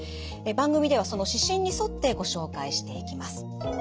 番組ではその指針に沿ってご紹介していきます。